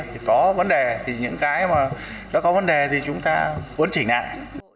thì có vấn đề thì những cái mà nó có vấn đề thì chúng ta uấn chỉnh lại